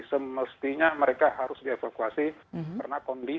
semestinya mereka harus dievakuasi karena kondisi